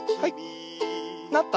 はい。